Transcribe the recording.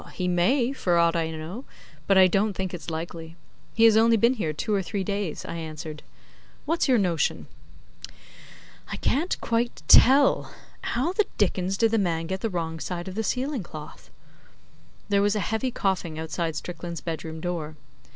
'He may, for aught I know; but I don't think it's likely. He has only been here two or three days,' I answered. 'What's your notion?' 'I can't quite tell. How the dickens did the man get the wrong side of the ceiling cloth?' There was a heavy coughing outside Strickland's bedroom door.